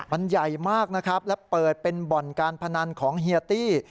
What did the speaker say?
มันใหญ่มากนะครับและเปิดเป็นบ่อนการพนันของเฮียตี้